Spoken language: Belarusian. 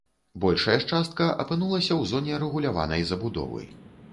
Большая ж частка апынулася ў зоне рэгуляванай забудовы.